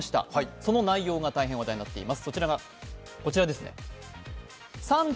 その内容が大変話題になっています。